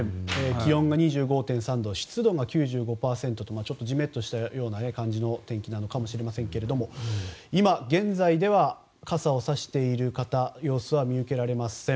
気温は２５．３度湿度が９５％ということでちょっとジメッとした感じの天気なのかもしれませんけれども今現在では傘をさしている方の様子は見受けられません。